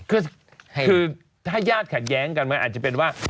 คือถ้าญาติขัดแย้งกันมันอาจจะเป็นว่า